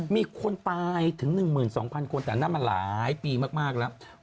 มีคนตายถึง๑๒๐๐คนแต่นั่นมาหลายปีมากแล้ว